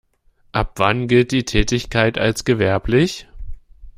Ab wann gilt die Tätigkeit als gewerblich?